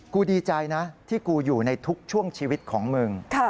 กูดีใจนะที่กูอยู่ในทุกช่วงชีวิตของมึง